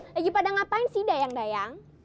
lagi pada ngapain sih dayang dayang